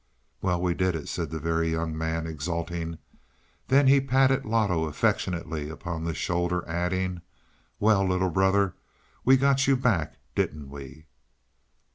"Well, we did it," said the Very Young Man, exulting. Then he patted Loto affectionately upon the shoulder, adding. "Well, little brother, we got you back, didn't we?"